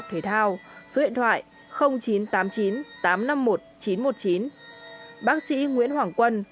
phòng ba trăm linh một tầng ba nhà b ba